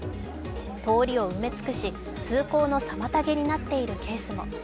通りを埋め尽くし、通行の妨げになっているケースも。